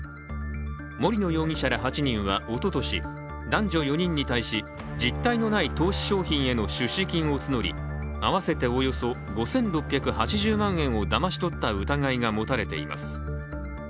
森野容疑者ら８人はおととし、実体のない投資商品への出資金を募り、合わせておよそ５６８０万円をだまし取った疑いが持たれています。